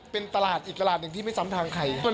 เป็นตลาดอีกตลาดหนึ่งที่ไม่ซ้ำทางใคร